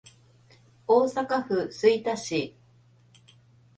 大阪府吹田市